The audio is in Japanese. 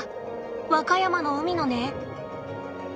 和歌山の海のね。